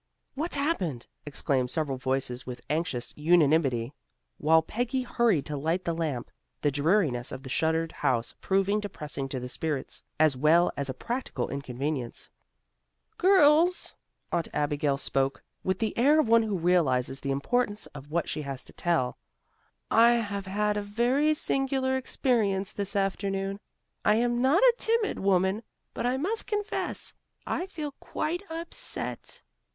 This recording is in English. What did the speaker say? "What's happened?" exclaimed several voices with anxious unanimity, while Peggy hurried to light the lamp, the dreariness of the shuttered house proving depressing to the spirits, as well as a practical inconvenience. "Girls!" Aunt Abigail spoke with the air of one who realizes the importance of what she has to tell. "I have had a very singular experience this afternoon. I am not a timid woman, but I must confess I feel quite upset."